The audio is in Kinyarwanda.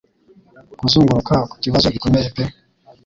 Kuzunguruka ku kibazo gikomeye pe